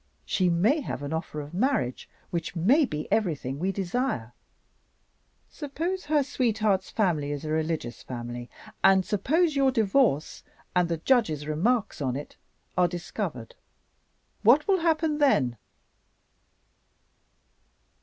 She may have an offer of marriage which may be everything we desire. Suppose her sweetheart's family is a religious family; and suppose your Divorce, and the judge's remarks on it, are discovered. What will happen then?"